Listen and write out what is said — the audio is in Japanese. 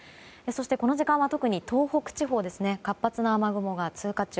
そしてこの時間は特に東北地方に活発な雨雲が通過中。